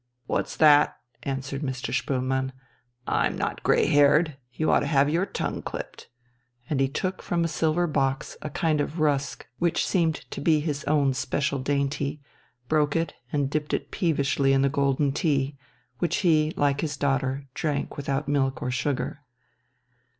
"What's that?" answered Mr. Spoelmann. "I'm not grey haired. You ought to have your tongue clipped." And he took from a silver box a kind of rusk which seemed to be his own special dainty, broke it and dipped it peevishly in the golden tea, which he, like his daughter, drank without milk or sugar.